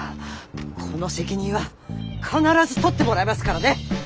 この責任は必ず取ってもらいますからね。